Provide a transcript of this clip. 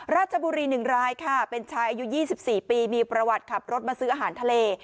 ราชบุรี๑รายค่ะเป็นชายอายุ๒๔ปีมีประวัติขับรถมาซื้ออาหารทะเล